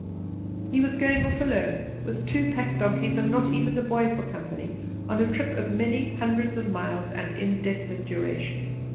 He was going off alone, with two pack donkeys and not even a boy for company, on a trip of many hundreds of miles and indefinite duration.